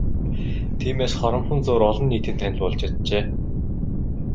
Тиймээс хоромхон зуур олон нийтийн танил болж чаджээ.